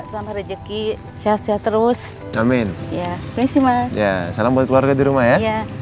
selamat rezeki sehat sehat terus amin ya berisi mas salam buat keluarga di rumah ya